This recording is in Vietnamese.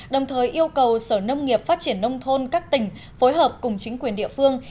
đồng thời yêu cầu sở nông nghiệp phát triển nông thôn các tỉnh phối hợp cùng chính quyền địa phương